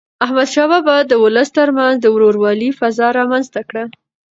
احمدشاه بابا د ولس تر منځ د ورورولی فضا رامنځته کړه.